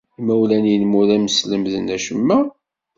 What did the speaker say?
Imawlan-nnem ur am-slemden acemma?